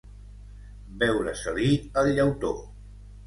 Veure-se-li el llautó.